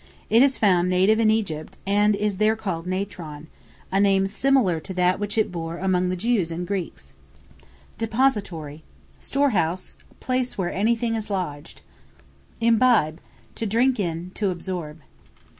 It is found native in Egypt, and is there called natron; a name similar to that which it bore among the Jews and Greeks. Depository, store house, place where anything is lodged. Imbibe, to drink in, to absorb.